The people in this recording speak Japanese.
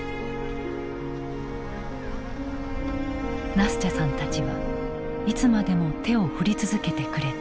ナスチャさんたちはいつまでも手を振り続けてくれた。